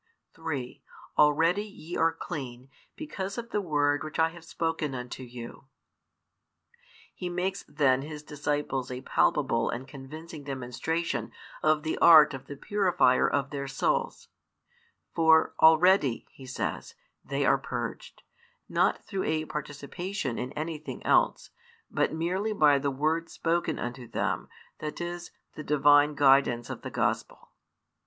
3 Already ye are clean, because of the word which I have spoken unto you. He makes then His disciples a palpable and convincing demonstration of the art of the purifier of their souls; for already, He says, they are purged, not through a participation in anything else, but merely by the word spoken unto them, that is, the divine guidance of the Gospel.